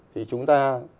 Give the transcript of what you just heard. thì chúng ta